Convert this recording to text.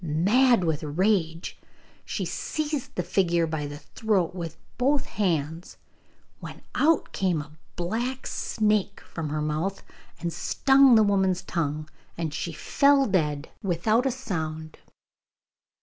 Mad with rage, she seized the figure by the throat with both hands, when out came a black snake from her mouth and stung the woman's tongue, and she fell dead without a sound.